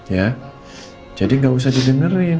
ya jadi nggak usah didengerin